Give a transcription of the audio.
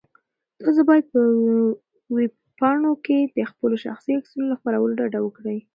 تاسو باید په ویبپاڼو کې د خپلو شخصي عکسونو له خپرولو ډډه وکړئ.